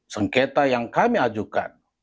sengketa yang kami ajukan